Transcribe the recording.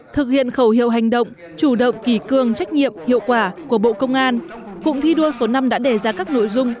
thực hiện khẩu hiệu hành động chủ động kỳ cương trách nhiệm hiệu quả của bộ công an cụm thi đua số năm đã đề ra các nội dung